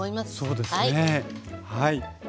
そうですねはい。